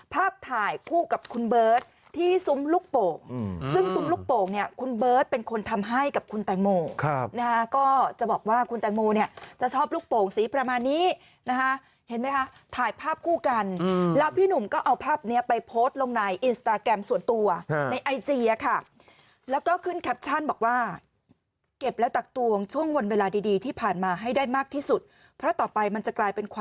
ภาพถ่ายคู่กับคุณเบิร์ตที่ซุ้มลูกโป่งซึ่งซุ้มลูกโป่งเนี่ยคุณเบิร์ตเป็นคนทำให้กับคุณแตงโมนะฮะก็จะบอกว่าคุณแตงโมเนี่ยจะชอบลูกโป่งสีประมาณนี้นะฮะเห็นไหมฮะถ่ายภาพคู่กันแล้วพี่หนุ่มก็เอาภาพเนี่ยไปโพสต์ลงในอินสตาแกรมส่วนตัวในไอจียะค่ะแล้วก็ขึ้นแคปชั่นบอกว